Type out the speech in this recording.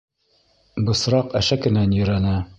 Бысраҡ әшәкенән ерәнә.